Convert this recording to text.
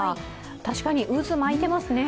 確かに渦が巻いていますね。